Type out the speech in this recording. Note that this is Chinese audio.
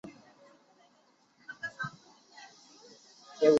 道光二十七年任内阁学士兼礼部侍郎。